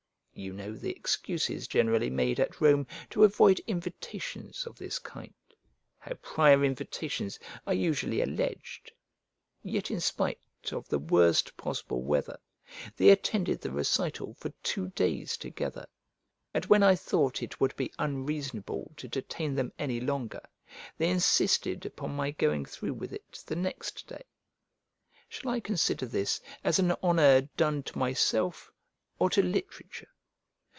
You know the excuses generally made at Rome to avoid invitations of this kind; how prior invitations are usually alleged; yet, in spite of the worst possible weather, they attended the recital for two days together; and when I thought it would be unreasonable to detain them any longer, they insisted upon my going through with it the next day. Shall I consider this as an honour done to myself or to literature?